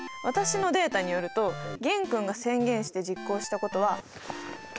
私のデータによると玄君が宣言して実行したことは０！